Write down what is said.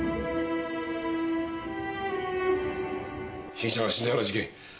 「被疑者が死んだような事件